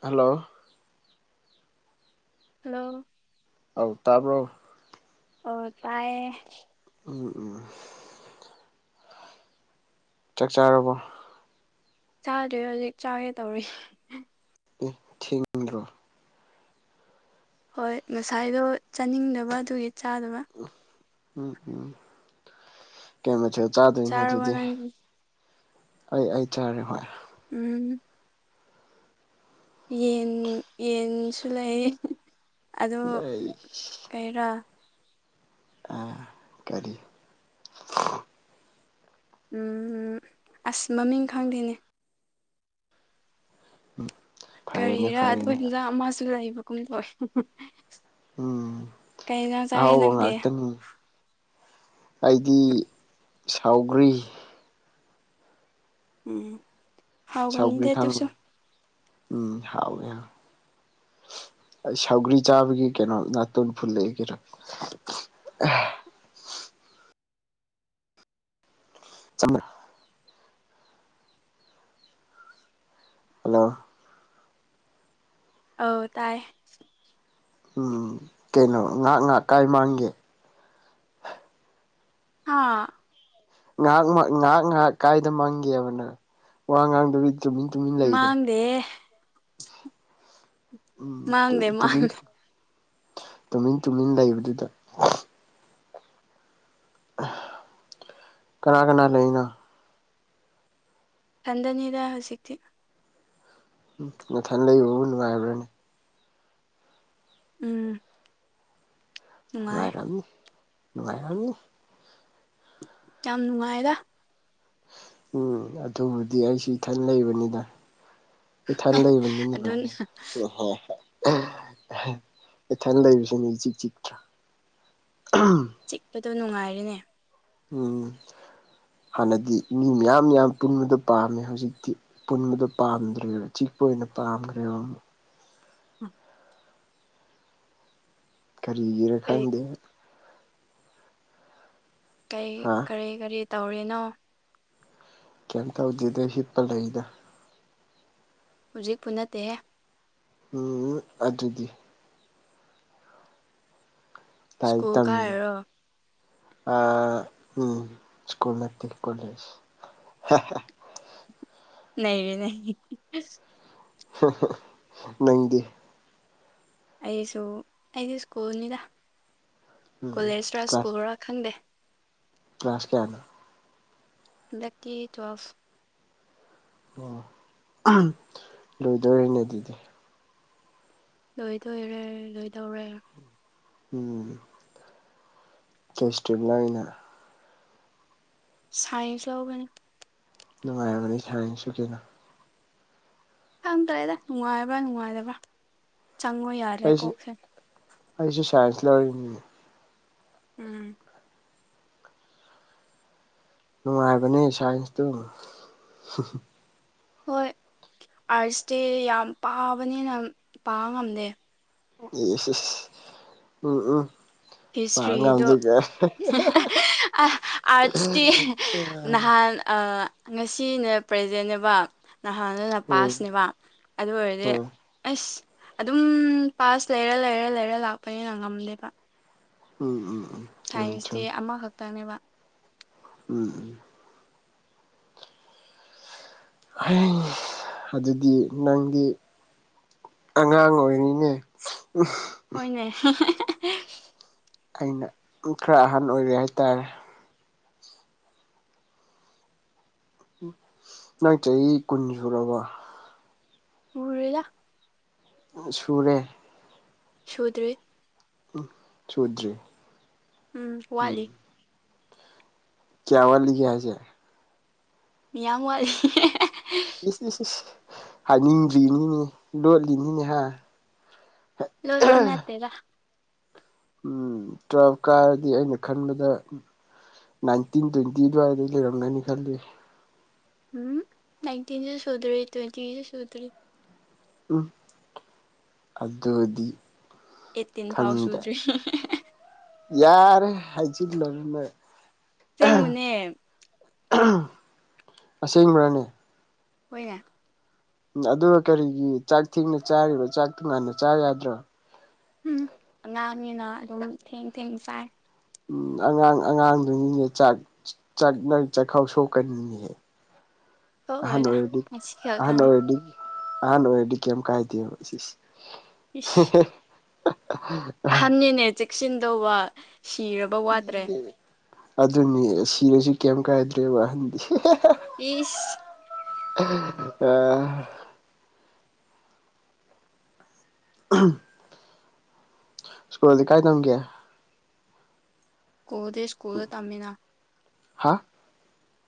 hello hello ꯑꯧ ꯇꯥꯕ꯭ꯔꯣ ꯑꯣ ꯇꯥꯏꯌꯦ [unintelligible] ꯆꯥꯛ ꯆꯥꯔꯕꯣ ꯆꯥꯗ꯭ꯔꯦ ꯍꯧꯖꯤꯛ ꯆꯥꯒꯦ ꯇꯧꯔꯤ ꯑꯦ ꯊꯦꯡꯗ꯭ꯔꯣ ꯍꯣꯏ ꯉꯁꯥꯏꯗꯣ ꯆꯥꯅꯤꯡꯗꯕ ꯑꯗꯨꯒꯤ ꯆꯥꯗꯕ ꯎꯝ ꯎꯝ ꯀꯩ ꯃꯊꯦꯜ ꯆꯥꯗꯣꯏꯅꯣ ꯆꯥꯔꯕ ꯑꯗꯨꯗꯤ ꯅꯪꯗꯤ ꯑꯩ ꯑꯩ ꯆꯔꯦ ꯍꯣꯏ ꯎꯝ ꯌꯦꯟ ꯌꯦꯟꯁꯨ ꯂꯩ ꯑꯗꯣ ꯑꯩ ꯀꯩꯔꯥ ꯑꯥ ꯀꯔꯤ ꯎ ꯑꯁ ꯃꯃꯤꯡ ꯈꯪꯗꯦꯅꯦ ꯐꯔꯦꯅꯦ ꯀꯔꯤꯔꯥ ꯑꯗꯨꯒ ꯐꯔꯦꯅꯦ ꯍꯟꯖꯥꯡ ꯑꯃꯁꯨ ꯂꯩꯕꯒꯨꯝꯗ ꯎꯝ ꯀꯩ ꯏꯟꯁꯥꯡ ꯆꯥꯒꯦ ꯑꯍꯥꯎꯕ ꯅꯪꯗꯤ ꯍꯥꯏꯗꯤ ꯁꯥꯎꯒ꯭ꯔꯤ ꯎꯝ ꯁꯧꯒꯔꯤ ꯍꯥꯎꯕꯅꯤꯗ ꯑꯗꯨꯁꯨ ꯈꯪꯕꯔ‌ ꯑꯝ ꯍꯥꯎꯑ° ꯑꯩ ꯁꯥꯎꯧꯒ꯭ꯔꯤ ꯆꯥꯕꯒꯤ ꯀꯩꯅꯣ ꯅꯥꯇꯣꯟ ꯐꯨꯜꯂ ꯀꯔ ꯑꯥ [unintelligible] ꯍꯜꯂꯣ ꯑꯧ ꯇꯥꯏ ꯎꯝ ꯀꯩꯅꯣ ꯉꯥꯏꯍꯥꯛ ꯉꯥꯏꯍꯥꯛ ꯀꯥꯏ ꯃꯥꯡꯒꯦ ꯍꯥꯥ ꯉꯥꯏꯍꯥꯛ ꯉꯥꯏꯍꯥꯛ ꯉꯥꯏꯍꯥꯛ ꯀꯥꯏꯗ ꯃꯪꯒꯦꯕ ꯅꯡ ꯋꯥ ꯉꯥꯡꯗꯨ ꯇꯃꯤꯟ ꯇꯨꯃꯤꯟ ꯂꯩꯗ ꯃꯥꯡꯗꯦ ꯎꯝ ꯃꯥꯡꯗꯦ ꯇꯨꯃꯤꯟ ꯃꯥꯡꯗꯦ ꯇꯨꯃꯤꯟ ꯇꯨꯃꯤꯟ ꯂꯩꯕꯗꯨꯗ ꯀꯅꯥ ꯀꯅꯥ ꯂꯩꯅꯣ ꯏꯊꯟꯗꯅꯤꯗ ꯍꯧꯖꯤꯛꯇꯤ ꯎꯝ ꯃꯊꯟ ꯂꯩꯕꯗꯨ ꯅꯨꯡꯉꯥꯏꯕ꯭ꯔꯅꯦ ꯎꯝ ꯅꯨꯡꯉꯥꯏ ꯅꯨꯡꯉꯥꯏꯔꯝꯅꯤ ꯅꯨꯡꯉꯥꯏꯔꯝꯅꯤ ꯌꯥꯝ ꯅꯨꯡꯉꯥꯏꯗ ꯎꯝ ꯑꯗꯨꯕꯨꯗꯤ ꯑꯩꯁꯨ ꯏꯊꯟ ꯂꯩꯕꯅꯤꯗ ꯏꯊꯟ ꯂꯩꯕꯅꯤꯅ ꯑꯗꯨ ꯅꯨꯡꯉꯥꯏ ꯏꯊꯟ ꯂꯩꯕꯁ ꯏꯆꯤꯛ ꯆꯤꯛꯇꫪ ꯆꯤꯛꯄꯗꯣ ꯅꯨꯪꯉꯥꯏꯔꯤꯅꯦ ꯎꯝ ꯍꯥꯟꯅꯗꯤ ꯃꯤ ꯃꯌꯥꯝ ꯌꯥꯝ ꯄꯨꯟꯕꯗ ꯄꯥꯝꯃꯦ ꯍꯧꯖꯤꯛꯇꯤ ꯄꯨꯟꯕꯗꯣ ꯄꯥꯝꯗ꯭ꯔꯦꯕ ꯆꯤꯛꯄ ꯑꯣꯏꯅ ꯄꯥꯝꯈ꯭ꯔꯦꯕ ꯎꯝ ꯀꯔꯤꯒꯤꯔ ꯀꯔꯤ ꯈꯪꯗꯦ ꯀꯩ ꯍꯥ ꯀꯔꯤ ꯀꯔꯤ ꯇꯧꯔꯤꯅꯣ ꯀꯩꯝꯇꯧꯗꯦꯗꯥ ꯍꯤꯞ ꯄꯒ ꯂꯩꯗ ꯍꯧꯖꯤꯛꯄꯨ ꯅꯠꯇꯦ ꯎꯝ ꯑꯗꯨꯗꯤ ꯂꯥꯏꯔꯤꯛ ꯁ꯭ꯀꯨꯜ ꯇꯝꯃꯤꯌꯦ ꯀꯥꯔꯔꯣ ꯑ ꯎꯝ ꯁ꯭ꯀꯨꯜ ꯅꯠꯇꯦ ꯀꯣꯂꯦꯖ [unintelligible] ꯅꯪꯗꯤ ꯑꯩꯁꯨ ꯑꯩꯁ ꯁ꯭ꯀꯨꯜꯅꯤꯅ ꯎꯝ ꯀꯣꯂꯦꯖꯔꯥ ꯁ꯭ꯀꯨꯜꯔꯥ ꯈꯪꯗꯦ ꯀꯂ꯭ꯥꯁ ꯀꯌꯥꯅꯣ ꯍꯟꯗꯛ ꯇꯨꯋꯦꯜꯞ ꯑꯣ ꯂꯣꯏꯗꯣꯔꯦꯅꯦ ꯑꯗꯨꯗꯤ ꯂꯣꯏꯗꯣꯔꯦ ꯂꯣꯏꯗꯣꯔꯦ ꯎꯝ ꯏꯁꯇ꯭ꯔꯤꯞ ꯅꯣ ꯉꯅ ꯁꯥꯏꯟꯁ ꯂꯧꯒꯅꯤ ꯅꯨꯡꯉꯥꯏꯔꯕꯅꯤ ꯁꯥꯏꯟꯁꯁꯨ ꯀꯩꯅꯣ ꯈꯪꯗ꯭ꯔꯦꯗ ꯅꯨꯡꯉꯥꯏꯕ ꯅꯨꯡꯉꯥꯏꯇꯕ ꯆꯪꯉꯣ ꯌꯥꯔꯦ ꯑꯩꯁꯨ ꯀꯣꯛꯁꯦ ꯑꯩꯁꯨ ꯁꯥꯏꯟꯁ ꯂ ꯑꯣꯏꯅꯤ ꯎꯝ ꯅꯨꯡꯉꯥꯏꯕꯅꯦ ꯁꯥꯏꯟꯁꯇꯨ ꯍꯣꯏ ꯑꯥꯔꯁꯇꯦ ꯌꯥꯝ ꯄꯥꯕꯅꯤꯅ ꯄꯥꯕ ꯉꯝꯗꯦ ꯑꯦ ꯎꯝ ꯎꯝ ꯄꯥ ꯉꯝꯗꯣꯏꯒꯦ [unintelligible] ꯑꯥꯔꯠꯁꯇ ꯎꯝ ꯅꯍꯥꯟ ꯉꯁꯤꯅꯦ ꯄ꯭ꯔꯖꯦꯟꯅꯦꯕ ꯅꯍꯥꯟꯅ ꯎꯝ ꯄꯥꯁꯅꯦꯕ ꯑꯗꯨ ꯑꯣꯏꯔꯗꯤ ꯎꯝ ꯑꯁ ꯑꯗꯨꯝ ꯄꯥꯁ ꯂꯩꯔ ꯂꯩꯔ ꯂꯩꯔ ꯂꯥꯛꯄꯅꯤꯅ ꯉꯝꯗꯦꯕ ꯎꯝ ꯎꯝ ꯎꯝ ꯆꯨꯝꯃꯤ ꯁꯥꯏꯟꯁꯇꯤ ꯆꯨꯝꯃꯤ ꯑꯃꯈꯛꯇꯪꯅꯦꯕ ꯎꯝ ꯎꯝ ꯍ ꯑꯗꯨꯗꯤ ꯅꯪꯗꯤ ꯑꯉꯥꯡ ꯑꯣꯏꯔꯤꯅꯦ ꯎ ꯍꯣꯏꯅꯦ ꯑꯩꯅ ꯈꯔ ꯑꯍꯟ ꯑꯣꯏꯔꯦ ꯍꯥꯏꯇꯥꯔꯦ ꯅꯪ ꯆꯍꯤ ꯀꯨꯟ ꯁꯨꯔꯕ ꯁꯨꯔ°ꯗ ꯁꯨꯔꯦ ꯁꯨꯗ꯭ꯔꯤ ꯎꯝ ꯆꯨꯗꯔꯤ ꯎꯝ ꯋꯥꯠꯂꯤ ꯀꯌꯥ ꯋꯥꯂꯤꯒꯌꯥꯁꯦ ꯃꯤꯌꯥꯝ ꯋꯥꯠꯂꯤ [unintelligible] ꯏꯁ ꯏꯁ ꯏꯁ ꯍꯥꯏꯅꯤꯡꯗ꯭ꯔꯤꯅꯤꯅꯦ ꯂꯣꯠꯂꯤꯅꯤꯅꯦ ꯍꯥ ꯂꯣꯠꯄ ꯅꯠꯇ°ꯗ ꯎꯝ ꯇꯨꯋꯦꯜꯐꯀꯥꯔꯗꯤ ꯑꯩꯅ ꯈꯟꯕꯗ ꯅꯥꯏꯟꯇꯤꯟ ꯇ꯭ꯋꯦꯟꯇꯤ ꯑꯗꯨꯋꯥꯏꯗ ꯂꯩꯔꯝꯒꯅꯤ ꯈꯜꯂꯤ ꯎꯝ ꯅꯥꯏꯟꯇꯤꯟꯁꯨ ꯁꯨꯗ꯭ꯔꯤ ꯇ꯭ꯋꯦꯟꯇꯤꯁꯨ ꯁꯨꯗ꯭ꯔꯤ ꯎꯝ ꯑꯗꯗꯤ ꯑꯩꯠꯇꯤꯟ ꯐꯥꯎ ꯁꯨꯗ꯭ꯔꯤ ꯌꯥꯔꯦ ꯍꯥꯏꯖꯤꯟꯂꯔꯃꯦ ꯆꯩꯉꯅꯦ ꯑꯁꯦꯡꯕꯅꯦ ꯍꯣꯏꯅ ꯑꯗꯨꯒ ꯀꯔꯤꯒꯤ ꯆꯥꯛ ꯊꯦꯡꯅ ꯆꯥꯔꯤꯕꯣ ꯆꯥꯛ ꯇꯣꯉꯥꯟꯅ ꯆꯥ ꯌꯥꯗ꯭ꯔꯣ ꯎꯝ ꯑꯉꯥꯡꯅꯤꯅ ꯑꯗꯨꯝ ꯊꯦꯡ ꯊꯦꯡ ꯆꯥꯏ ꯎꯝ ꯑꯉꯥꯡ ꯑꯉꯥꯡꯗꯨꯅꯤꯅꯦ ꯆꯥꯛ ꯆꯥꯛꯈꯥꯎ ꯁꯣꯛꯀꯅꯤꯅꯦꯍꯦ [inaudible] ꯑꯗꯣꯗꯤ ꯉꯁꯤ ꯑꯗꯣ ꯈꯛꯇꯪꯅꯤ ꯑꯣꯏꯗꯤ ꯑꯅ ꯑꯦꯗꯤ ꯀꯦꯝ ꯀꯥꯏꯗ ꯑꯍꯟꯅꯅꯤꯅꯦ ꯆꯦꯛꯁꯤꯟꯗꯧꯕ ꯁꯤꯔꯕ ꯋꯥꯠꯇ꯭ꯔꯦ ꯑꯗꯨꯅꯤ ꯁꯤꯔꯁꯨ ꯀꯩ ꯀꯥꯏꯗ꯭ꯔꯦ ꯋꯥꯍꯟꯗꯤ ꯏꯁ ꯏ ꯑ ꯁꯀꯨꯜꯗꯤ ꯀꯥꯏ ꯊꯝꯒꯦ ꯀꯀꯣꯜꯗꯦ ꯁꯀꯨꯜꯗ ꯇꯝꯃꯤꯅ ꯍꯥ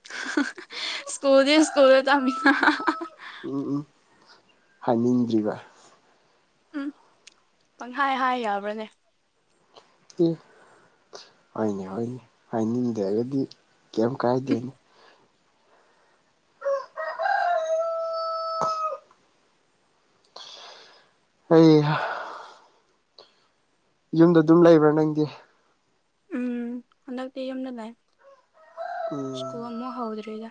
[unintelligible] ꯁ꯭ꯀꯣꯗ ꯁꯀꯣꯋꯦ ꯇꯃꯤ ꯎꯝ ꯎꯝ ꯍꯥꯏꯅꯤꯡꯗ꯭ꯔꯤꯕ ꯎꯝ ꯄꯪꯈꯥꯏ ꯍꯥꯏ ꯌꯥꯕ꯭ꯔꯅꯦ ꯍꯥꯏꯅꯤ ꯍꯅꯦ ꯍꯥꯏꯅꯤꯡꯗꯔꯒꯗꯤ ꯀꯩꯝ ꯀꯥꯏꯗꯦꯅꯤ ꯑꯩ ꯌꯨꯝꯗ ꯑꯗꯨꯝ ꯂꯩꯕ꯭ꯔꯥ ꯅꯪꯗꯤ ꯎꯝ ꯍꯟꯗꯛꯇꯤ ꯌꯨꯝꯗ ꯂꯥꯛ ꯎꯝ ꯁ꯭ꯀꯨꯜ ꯑꯃꯨꯛ ꯍꯧꯗ꯭ꯔꯤꯗ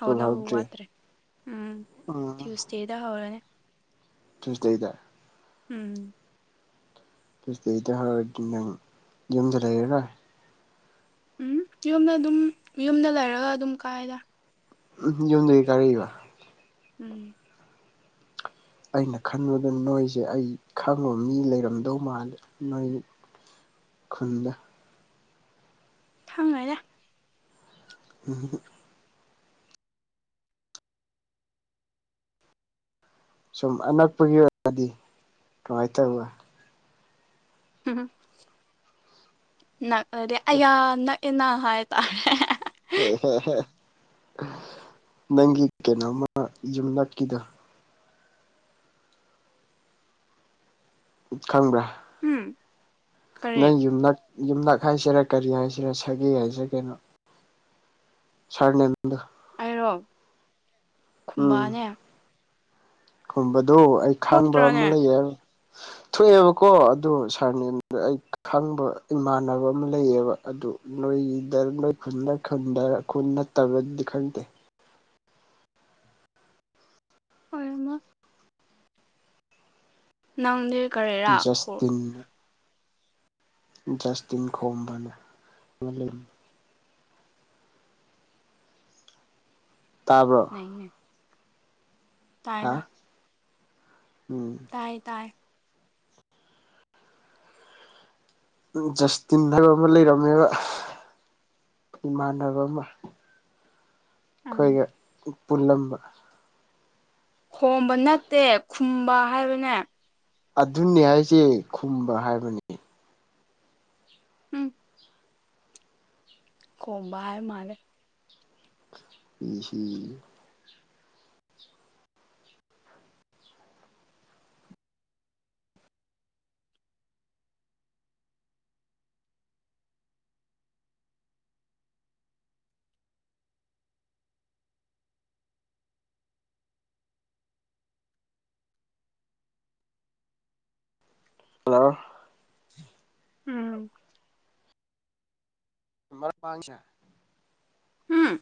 ꯁ꯭ꯀꯨꯜ ꯍꯧꯗ꯭ꯔꯤ ꯃꯥꯇ꯭ꯔꯦ ꯎꯝ ꯎꯝ ꯇ꯭ꯌꯨꯁꯗꯦꯗ ꯍꯔꯅꯦ ꯇꯨꯡꯁ ꯂꯩꯗ ꯎꯝ ꯑꯗꯨꯗꯩꯗꯔꯗꯤ ꯅꯪ ꯌꯨꯝꯗ ꯂꯩꯔꯔꯣꯏ ꯎꯝ ꯌꯨꯝꯗ ꯑꯗꯨꯝ ꯌꯨꯝꯗ ꯂꯩꯔꯒ ꯑꯗꯨꯝ ꯀꯥꯏꯗ ꯎꯝ ꯌꯨꯝꯗꯒꯤ ꯀꯥꯔꯛꯏꯕ ꯎꯝ ꯑꯩꯅ ꯈꯟꯕꯗ ꯅꯣꯏꯁꯦ ꯑꯩ ꯈꯪꯕ ꯃꯤ ꯂꯩꯔꯝꯗꯧ ꯃꯥꯜꯂꯦ ꯅꯣꯏ ꯈꯨꯟꯗ ꯊꯪꯉꯔꯦ ꯎꯝ ꯁꯨꯝ ꯑꯅꯛꯄꯒꯤ ꯑꯣꯏꯔꯗꯤ ꯀꯃꯥꯏꯅ ꯇꯧꯋ ꯎꯝꯗꯤ ꯑꯌꯥ ꯅꯛꯑꯦꯅ ꯍꯥꯏꯇꯥꯔꯦ ꯑꯦꯍꯍ ꯅꯪꯒꯤ ꯀꯩꯅꯣꯝꯃ ꯌꯨꯝ ꯅꯛꯀꯤꯗ ꯎꯠ ꯈꯪꯕ꯭ꯔꯥ ꯎꯝ ꯀꯔꯤ ꯅꯪ ꯌꯨꯝꯂꯛ ꯌꯨꯝꯂꯛ ꯍꯥꯏꯁꯤꯔꯥ ꯀꯔꯤ ꯍꯥꯏꯁꯤꯔꯥ ꯁꯒꯦ ꯍꯥꯏꯁꯤꯔꯥ ꯀꯩꯅꯣ ꯁꯥꯔꯅꯦꯗ [unintelligible] ꯎꯝ ꯈꯨꯝꯕꯥꯅꯦ ꯈꯨꯝꯕꯗꯣ ꯑꯩ ꯈꯥꯡꯕ ꯊꯣꯛꯇ꯭ꯔꯅꯦ ꯑꯃ ꯂꯩꯌꯦ [unintelligible] ꯊꯣꯛꯑꯦꯕꯀꯣ ꯑꯗꯨꯗ ꯁꯥꯔꯅꯦꯗ ꯑꯩ ꯈꯪꯕ ꯏꯃꯥꯟꯅꯕ ꯑꯃ ꯂꯩꯌꯦꯕ ꯑꯗꯨ ꯅꯣꯏꯗ ꯅꯣꯏ ꯈꯨꯟꯗꯟꯗ ꯈꯨꯟ ꯅꯠꯇꯕꯗꯤ ꯈꯪꯗꯦ ꯍꯔ ꯃ ꯅꯪꯗꯤ ꯀꯔꯦꯔꯥꯈꯣ ꯖꯁꯇꯤꯟ ꯁꯇ ꯈꯣꯕꯅꯤ ꯇꯥ꯭ꯔ ꯑꯩ ꯍꯥꯥ ꯎꯝ ꯇꯥꯏ ꯇꯥꯏ ꯖꯁꯇꯤꯟ ꯍꯥꯏꯕ ꯑꯃ ꯂꯩꯔꯝꯃꯦꯕ ꯏꯃꯥꯟꯅꯕ ꯑꯃ ꯎꯝ ꯑꯩꯈꯣꯏꯒ ꯄꯨꯜꯂꯝꯕ ꯈꯣꯝꯕ ꯅꯠꯇꯦ ꯈꯨꯝꯕ ꯍꯥꯏꯕꯅꯦ ꯑꯗꯨꯅꯦ ꯍꯥꯏꯁꯦ ꯈꯨꯝꯕ ꯍꯥꯏꯕꯅꯤ ꯎꯝ ꯀꯣꯝꯕ ꯍꯥꯏ ꯃꯥꯔꯦ [unintelligible] ꯍꯜꯂꯣ ꯎꯝ [unintelligible] ꯍꯨꯝ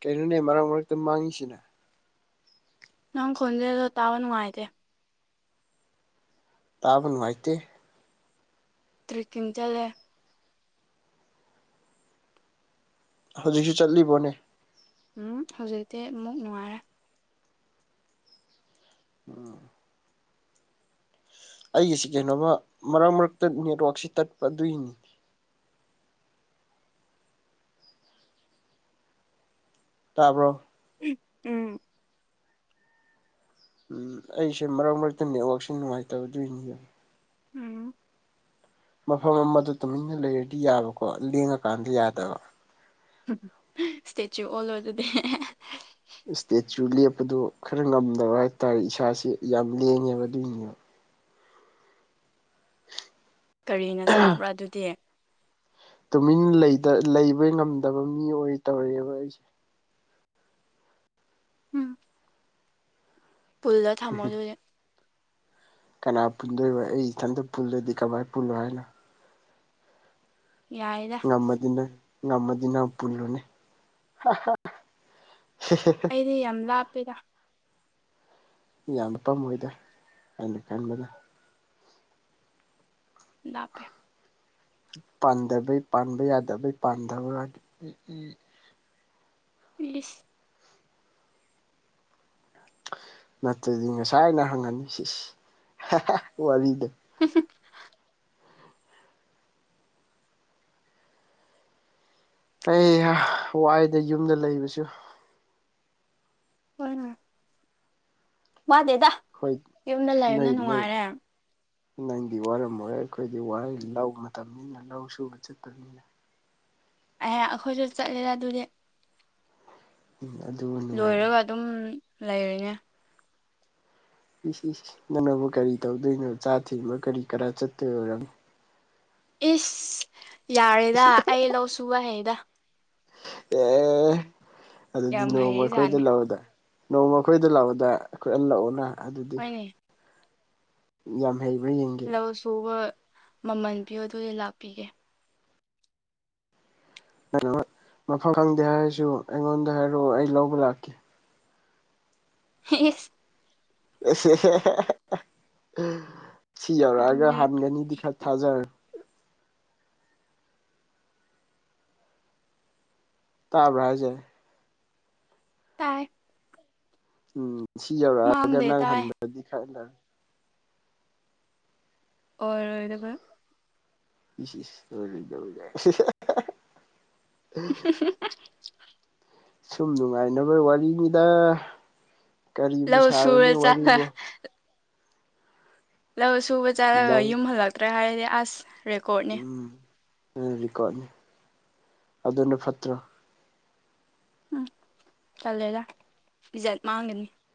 ꯀꯩꯅꯣꯅꯦ ꯃꯔꯛ ꯃꯔꯛꯇ ꯃꯥꯡꯉꯤꯁꯤꯅ ꯅꯪ ꯈꯣꯟꯖꯗꯣ ꯇꯥꯋꯥ ꯅꯨꯡꯉꯥꯏꯇꯦ ꯇꯥꯕ ꯅꯨꯡꯉꯥꯏꯇꯦ ꯇ꯭ꯔꯦꯛꯀꯤꯡ ꯆꯂꯦ ꯍꯧꯖꯤꯛꯁꯨ ꯆꯠꯂꯤꯕꯣꯅꯦ ꯎꯝ ꯍꯧꯖꯤꯛꯇꯤ ꯑꯃꯨꯛ ꯅꯨꯡꯉꯥꯏꯔꯦ ꯎꯝ ꯑꯩꯒꯤꯁꯤ ꯀꯩꯅꯣꯃ ꯃꯔꯛ ꯃꯔꯛꯇ ꯅꯦꯠꯋꯥꯛꯁꯤ ꯇꯠꯄ ꯑꯗꯨꯏꯅꯤ ꯇꯥꯄ ꯎ ꯎꯝ ꯎꯝ ꯑꯩꯁꯦ ꯃꯔꯛ ꯃꯔꯛꯇ ꯅꯦꯠꯋꯥꯛꯁꯦ ꯅꯨꯡꯉꯥꯏꯇꯕꯗꯣꯏꯅꯤ ꯎꯝ ꯃꯐꯝ ꯑꯃꯗ ꯇꯨꯃꯤꯟꯅ ꯂꯩꯔꯗꯤ ꯌꯥꯕꯀꯣ ꯂꯦꯡꯉꯀꯥꯟꯗ ꯌꯥꯗꯕ [unintelligible] ꯁ꯭ꯇꯦꯆꯨ ꯑꯣꯜ ꯑꯣ ꯑꯗꯨꯗꯤ ꯏꯁꯇꯦꯆꯨ ꯂꯦꯞꯄꯗꯣ ꯈꯔ ꯉꯝꯗꯕ ꯍꯥꯏꯇꯥꯔꯦ ꯏꯁꯥꯥꯁꯦ ꯌꯥꯝ ꯂꯦꯡꯉꯦꯕ ꯑꯗꯨꯏꯅꯦꯕ ꯀꯔꯤꯅ ꯁꯥꯕ꯭ꯔꯥ ꯑꯗꯨꯗꯤ ꯇꯨꯃꯤꯟ ꯂꯩꯇ ꯂꯩꯕ ꯉꯝꯗꯕ ꯃꯤ ꯑꯣꯏ ꯇꯧꯔꯦꯕ ꯑꯩꯁꯦ ꯎꯝ ꯄꯨꯜꯗ ꯊꯝꯃꯣ [unintelligible] ꯀꯅꯥ ꯄꯨꯜꯗꯣꯏꯕ ꯑꯩ ꯏꯁꯊꯥꯟꯗ ꯄꯨꯜꯂꯥꯗꯤ ꯀꯥꯥꯏ ꯄꯨꯜꯂꯣꯏ ꯍꯥꯏꯅ ꯌꯥꯏꯗ ꯉꯝꯃꯗꯤꯅ ꯉꯝꯃꯗꯤꯅ ꯑꯃ ꯄꯨꯜꯂꯣꯅꯦ [unintelligible] ꯑꯩꯗꯤ ꯌꯥꯝ ꯂꯥꯞꯄꯦꯗ ꯌꯥꯝꯅ ꯄꯝꯃꯣꯏꯗ ꯑꯩꯅ ꯈꯟꯕꯗ ꯂꯥꯛꯞꯄꯦ ꯄꯥꯟꯗꯕꯩ ꯄꯥꯟꯕ ꯌꯥꯗꯕꯩ ꯄꯥꯟꯗꯕ ꯎ ꯄꯁ ꯅꯠꯇ꯭ꯔꯗꯤ ꯉꯁꯥꯏ ꯑꯅ ꯍꯪꯉꯅꯤ ꯁꯤꯁ [unintelligible] ꯋꯥꯔꯤꯗ [unintelligible] ꯑꯩ ꯋꯥꯏꯗ ꯌꯨꯝꯗ ꯂꯩꯕꯁꯨ ꯍꯣꯏꯅ ꯃꯥꯗꯦꯗ ꯑꯩꯈꯣꯏ ꯌꯨꯝꯗ ꯂꯩꯔꯅ ꯅꯣꯏ ꯅꯣꯏ ꯅꯨꯡꯉꯥꯏꯔꯦ ꯅꯪꯗꯤ ꯋꯥꯔꯝ ꯑꯣꯏꯔꯦ ꯑꯩꯈꯣꯏꯗꯤ ꯋꯥ ꯂꯧ ꯃꯇꯝꯅꯤꯅ ꯂꯧ ꯁꯨꯕ ꯆꯠꯄꯅꯤꯅ ꯑꯩꯍꯥꯛ ꯑꯩꯈꯣꯏꯁꯨ ꯆꯠꯂꯦꯔꯥ ꯑꯗꯨꯗꯤ ꯎꯝ ꯑꯗꯨ ꯅꯨꯡꯉꯥꯏꯕ ꯂꯣꯏꯔꯒ ꯑꯗꯨꯝ ꯂꯩꯔꯤꯅꯦ ꯏꯁꯤ ꯅꯅꯕꯨ ꯀꯔꯤ ꯇꯧꯗꯣꯏꯅꯣ ꯆꯥ ꯊꯦꯡꯕ ꯀꯔꯤ ꯀꯔꯥ ꯆꯠꯇꯣꯏ ꯑꯣꯏꯔꯝꯃꯤ ꯏꯁ ꯌꯥꯔꯦꯗ ꯑꯩ ꯂꯧ ꯁꯨꯕ ꯍꯌꯦꯗ ꯑꯦ ꯑꯗꯨꯗꯤ ꯌꯥꯝ ꯅꯣꯡꯃ ꯑꯩꯈꯣꯏꯗ ꯍꯩꯔꯤꯖꯥꯠꯅꯤ ꯂꯧꯗ ꯅꯣꯡꯃꯈꯣꯏꯗ ꯂꯥꯛꯑꯣꯗ ꯑꯩꯈꯣꯏ ꯍꯟꯂꯛꯑꯣꯅ ꯑꯗꯨꯗꯤ ꯍꯣꯏꯅꯦ ꯌꯥꯝ ꯍꯩꯕ꯭ꯔꯥ ꯌꯦꯡꯒꯦ [unintelligible] ꯃꯃꯟꯕꯤꯌꯣ ꯑꯗꯨꯗ ꯂꯥꯛꯄꯤꯒꯦ [unintelligible] ꯃꯐꯝ ꯈꯪꯗꯦ ꯍꯥꯏꯔꯁꯨ ꯑꯩꯉꯣꯟꯗ ꯍꯥꯏꯔꯛꯑꯣ ꯑꯩ ꯂꯧꯕ ꯂꯥꯛꯀꯦ [unintelligible] [unintelligible] ꯁꯤ ꯌꯧꯔꯛꯑꯒ ꯑꯗꯨꯗꯤ ꯍꯟꯒꯅꯤꯗꯤ ꯈꯔ ꯊꯥꯖꯔ ꯇꯥꯕꯍꯥꯖꯦ ꯇꯥꯏ ꯎꯝ ꯁꯤ ꯌꯧꯔꯛꯑꯒ ꯃꯥꯡꯗꯦ ꯅꯪ ꯇꯥꯏ ꯍꯟꯕꯗꯤ [unintelligible] ꯑꯣꯏꯔꯣꯏꯗꯒ [unintelligible] [unintelligible] ꯁꯨꯝ ꯅꯨꯡꯉꯥꯏꯅꯕ ꯋꯥꯔꯤꯅꯤꯗ ꯀꯔꯤꯕꯨ ꯂꯧ ꯁꯨꯔ ꯁꯥꯔꯨꯅꯤ ꯆꯠꯂ ꯋꯥꯔꯤꯕꯨ ꯂꯧ ꯁꯨꯕ ꯆꯠꯂꯒ ꯂꯧ ꯌꯨꯝ ꯍꯜꯂꯛꯇ꯭ꯔꯦ ꯍꯥꯏꯔꯗꯤ ꯑꯁ ꯔꯦꯀꯣꯔꯠꯅꯤ ꯔꯤꯀꯣꯔꯠꯅꯤ ꯑꯗꯨꯅ ꯐꯠꯇ꯭ꯔꯣ ꯎꯝ ꯆꯜꯂꯦꯗ ꯄꯤꯖꯠ ꯃꯥꯡꯒꯅꯤ